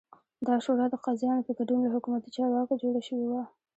دا شورا د قاضیانو په ګډون له حکومتي چارواکو جوړه شوې وه